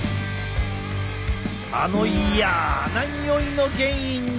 あのイヤなにおいの原因に！